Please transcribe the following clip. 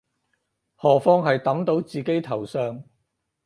何況係揼到自己頭上